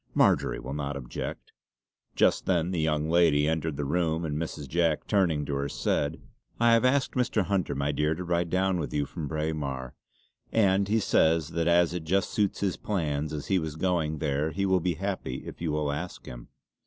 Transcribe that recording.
"Marjory will not object." Just then the young lady entered the room and Mrs. Jack turning to her said: "I have asked Mr. Hunter my dear to ride down with you from Braemar; and he says that as it just suits his plans as he was going there he will be very happy if you ask him."